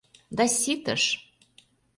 Да ситыш!